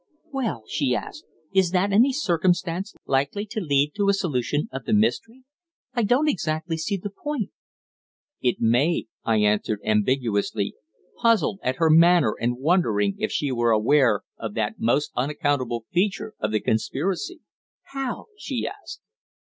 "Well," she asked, "is that any circumstance likely to lead to a solution of the mystery? I don't exactly see the point." "It may," I answered ambiguously, puzzled at her manner and wondering if she were aware of that most unaccountable feature of the conspiracy. "How?" she asked.